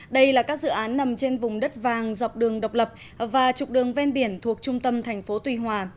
đây là các dự án nằm trên vùng đất vàng dọc đường độc lập và trục đường ven biển thuộc trung tâm thành phố tuy hòa